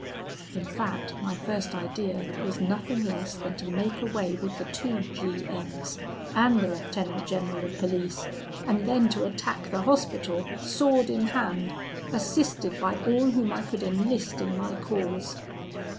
"In fact, my first idea was nothing less than to make away with the two G M s, and the lieutenant general of police; and then to attack the Hospital, sword in hand, assisted by all whom I could enlist in my cause.